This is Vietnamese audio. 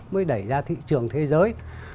mới đẩy ra thị trường thế giới